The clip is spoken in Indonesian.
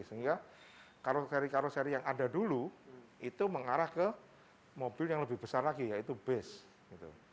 sehingga karoseri karoseri yang ada dulu itu mengarah ke mobil yang lebih besar lagi yaitu base gitu